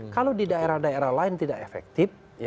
kalau di daerah daerah lain tidak efektif